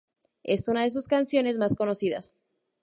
Es una de sus canciones más conocidas.